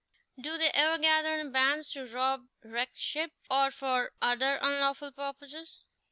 "Do they ever gather in bands to rob wrecked ships, or for other unlawful purposes?"